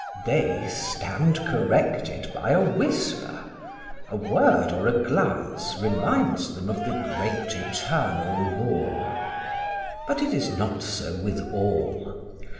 They stand corrected by a whisper; a word or a glance reminds them of the great eternal law. But it is not so with all.